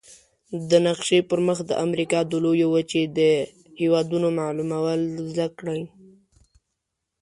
د نقشي پر مخ د امریکا د لویې وچې د هېوادونو معلومول زده کړئ.